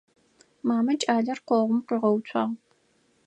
Мамэ кӏалэр къогъум къуигъэуцуагъ.